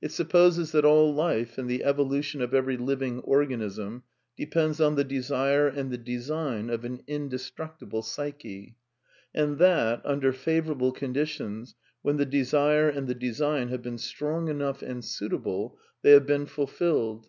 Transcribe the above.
It supposes that all Life and the evolution of every living organism depends on the desire and the design of an indestructible psyche; and that, under favourable conditions, when the desire and the design have been strong enough and suit able, they have been fulfilled.